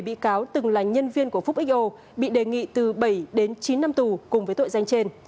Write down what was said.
một bị cáo từng là nhân viên của phúc xo bị đề nghị từ bảy đến chín năm tù cùng với tội danh trên